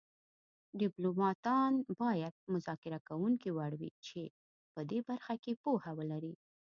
ډیپلوماتان باید مذاکره کوونکي وړ وي چې په دې برخه کې پوهه ولري